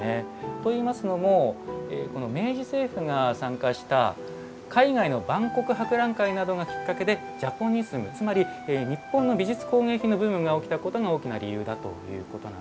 といいますのも明治政府が参加した海外の万国博覧会などがきっかけで「ジャポニスム」つまり日本の美術工芸品のブームが起きたことが大きな理由だということなんです。